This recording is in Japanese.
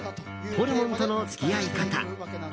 ホルモンとの付き合い方。